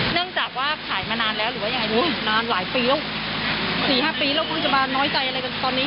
เนื่องจากว่าขายมานานแล้วหรือว่ายังไงรู้นานหลายปีแล้วสี่ห้าปีแล้วเพิ่งจะมาน้อยใจอะไรกันตอนนี้